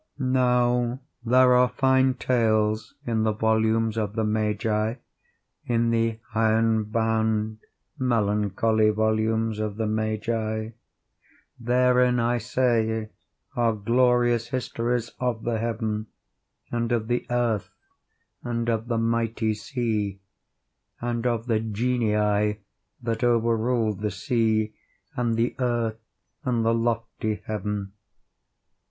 Now there are fine tales in the volumes of the Magi—in the iron bound, melancholy volumes of the Magi. Therein, I say, are glorious histories of the Heaven, and of the Earth, and of the mighty sea—and of the Genii that over ruled the sea, and the earth, and the lofty heaven.